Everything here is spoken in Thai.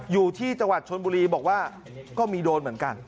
อยู่ที่จังหวัดชนบุรีบอกว่าก็มีโดนเหมือนกัน